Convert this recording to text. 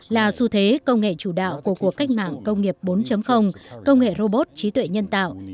là xu thế công nghệ chủ đạo của cuộc cách mạng công nghiệp bốn công nghệ robot trí tuệ nhân tạo